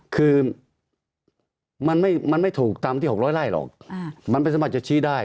คือมันไม่ถูกตามที่๖๐๐ไร่หรอกมันไม่สามารถจะชี้ได้